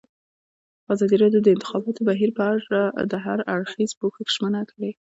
ازادي راډیو د د انتخاباتو بهیر په اړه د هر اړخیز پوښښ ژمنه کړې.